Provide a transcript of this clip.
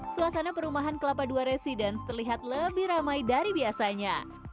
suasana perumahan kelapa dua residence terlihat lebih ramai dari biasanya